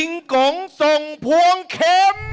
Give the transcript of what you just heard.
เย่